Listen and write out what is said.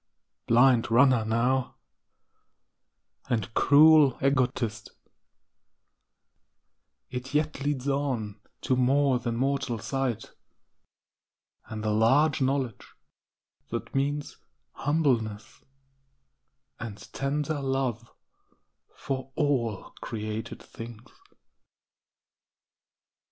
Blind runner now, and cruel egotist It yet leads on to more than mortal sight, And the large knowledge that means humbleness, And tender love for all created things.